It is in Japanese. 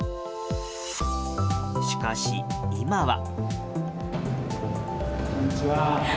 しかし今は。